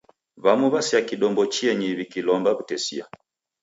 W'amu w'asea kidombo chienyi w'ikilomba w'utesia.